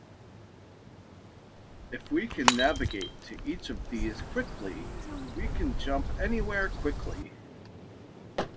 If we can navigate to each of these quickly, we can jump to anywhere quickly.